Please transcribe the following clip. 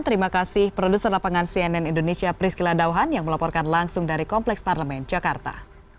terima kasih produser lapangan cnn indonesia priscila dauhan yang melaporkan langsung dari kompleks parlemen jakarta